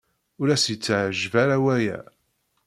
Ur as-yetteɛjab ara waya.